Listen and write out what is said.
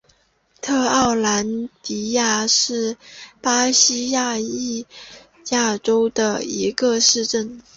特奥兰迪亚是巴西巴伊亚州的一个市镇。